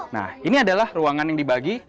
nah ini adalah ruangan yang dibagi